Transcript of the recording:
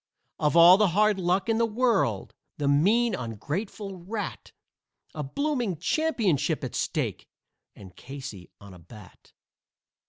Of all the hard luck in the world! The mean, ungrateful rat! A blooming championship at stake and Casey on a bat."